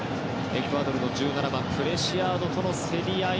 エクアドルの１７番プレシアードとの競り合い。